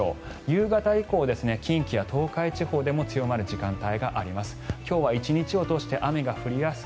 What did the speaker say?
夕方以降、近畿や東海地方でも強まる時間帯があります。